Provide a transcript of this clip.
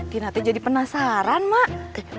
tina tuh jadi penasaran mak